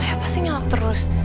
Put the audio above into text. ayah pasti nyalak terus